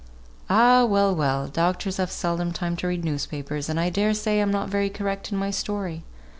"Ah, well, well! doctors have seldom time to read newspapers, and I dare say I'm not very correct in my story.